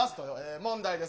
問題です。